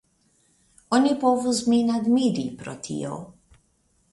Oni povus min admiri pro tio.